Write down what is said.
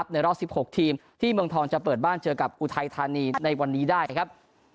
ในรอบ๑๖ทีมที่เมืองทองจะเปิดบ้านเจอกับอุทัยธานีในวันนี้ได้ครับ